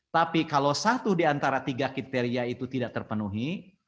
tapi kalau satu di antara tiga kriteria itu tidak terpenuhi